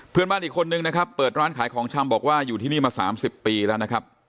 เพื่อนบ้านอีกคนนึงนะครับเปิดร้านขายของชำบอกว่าอยู่ที่นี่มา๓๐ปีแล้วนะครับ